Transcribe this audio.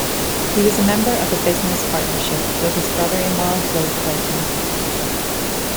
He was a member of a business partnership with his brother-in-law Will Clayton.